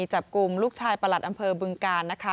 จับกลุ่มลูกชายประหลัดอำเภอบึงกาลนะคะ